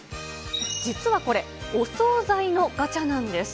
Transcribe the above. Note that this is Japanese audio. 実はこれ、お総菜のガチャなんです。